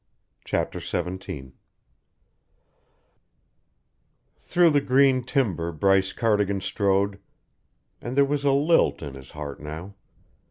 CHAPTER XVII Through the green timber Bryce Cardigan strode, and there was a lilt in his heart now.